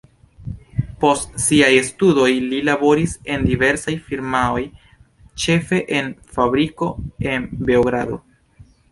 Post siaj studoj li laboris en diversaj firmaoj, ĉefe en fabriko en Beogrado.